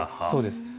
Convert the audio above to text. そうです。